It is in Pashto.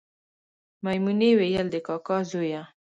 میمونې ویل د کاکا زویه